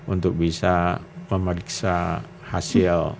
untuk bisa memeriksa hasil